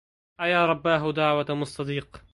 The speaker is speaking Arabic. أيا رباه دعوة مستضيق